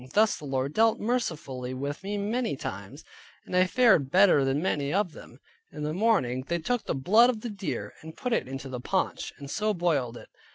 Thus the Lord dealt mercifully with me many times, and I fared better than many of them. In the morning they took the blood of the deer, and put it into the paunch, and so boiled it.